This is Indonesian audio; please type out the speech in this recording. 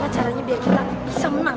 gimana caranya biar kita bisa menang